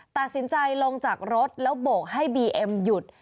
ตัดสินใจลงจากรถแล้วโบกให้บีเอ็มหยุด